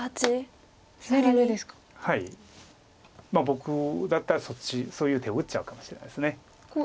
僕だったらそっちそういう手を打っちゃうかもしれないです。